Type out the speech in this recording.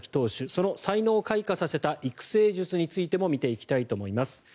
その才能を開花させた育成術についても見ていきたいと思います。